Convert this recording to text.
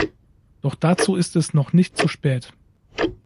Doch dazu ist es noch nicht zu spät.